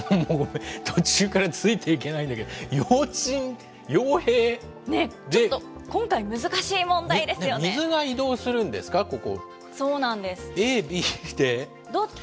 途中からついていけないんだけど、ちょっと、今回難しい問題で水が移動するんですか、ここ。